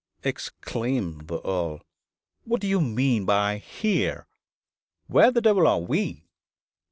exclaimed the Earl, 'what do you mean by here? Where the devil are we?'